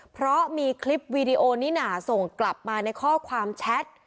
เพราะมีคลิปวีดีโอนิน่าส่งกลับมาในข้อความแชท